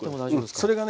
それがね